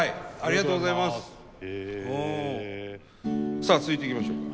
さあ続いていきましょう。